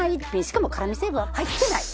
しかも辛み成分は入ってない。